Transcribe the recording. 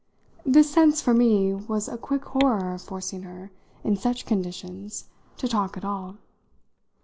This sense, for me, was a quick horror of forcing her, in such conditions, to talk at all.